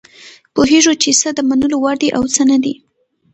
پوهیږو چې څه د منلو وړ دي او څه نه دي.